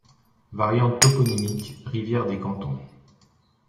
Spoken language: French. Variante toponymique: rivière des Cantons.